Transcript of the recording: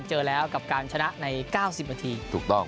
เจอแล้วกับการชนะใน๙๐นาทีถูกต้อง